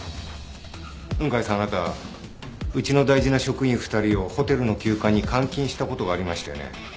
雲海さんあなたうちの大事な職員２人をホテルの旧館に監禁したことがありましたよね。